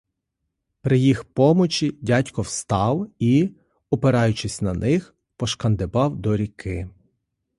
При їх помочі дядько встав і, опираючись на них, пошкандибав до ріки.